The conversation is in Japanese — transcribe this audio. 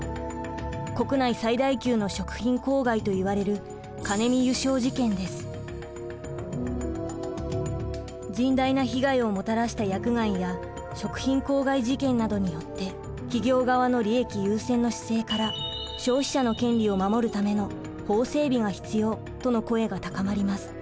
国内最大級の食品公害といわれる甚大な被害をもたらした薬害や食品公害事件などによって「企業側の利益優先の姿勢から消費者の権利を守るための法整備が必要」との声が高まります。